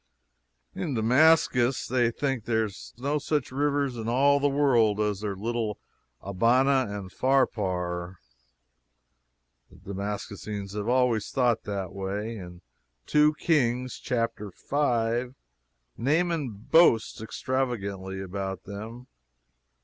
In Damascus they think there are no such rivers in all the world as their little Abana and Pharpar. The Damascenes have always thought that way. In 2 Kings, chapter v., Naaman boasts extravagantly about them.